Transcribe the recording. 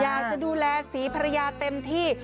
อยากจะดูแลศรีภรรยาเต็มที่